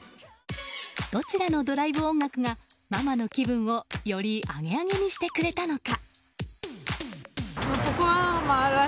どちらのドライブ音楽がママの気分をよりアゲアゲにしてくれたのか。